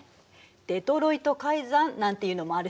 デトロイト海山なんていうのもあるし。